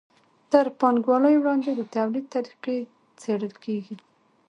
تر پانګوالۍ وړاندې د توليد طریقې څیړل کیږي.